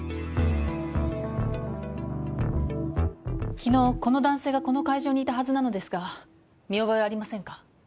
昨日この男性がこの会場にいたはずなのですが見覚えありませんか？